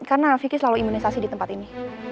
karena vicky selalu imunisasi di tempat ini